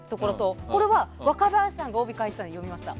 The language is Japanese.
これは若林さんが帯書いてたので読みました。